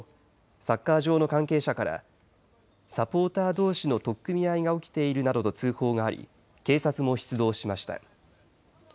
サッカー場の関係者からサポーターどうしの取っ組み合いが起きているなどと通報があり警察も出動しました。